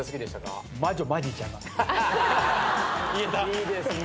いいですね。